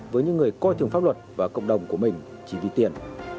với những người coi thường pháp luật và cộng đồng của mình chỉ vì tiền